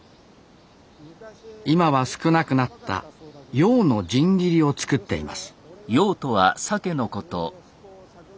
今は少なくなった鮭の新切りを作っています